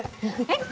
えっ？